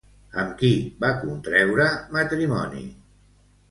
Amb qui va contreure matrimoni?